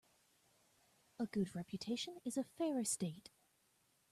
A good reputation is a fair estate.